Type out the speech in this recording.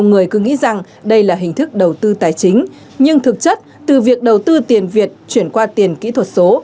nhiều người cứ nghĩ rằng đây là hình thức đầu tư tài chính nhưng thực chất từ việc đầu tư tiền việt chuyển qua tiền kỹ thuật số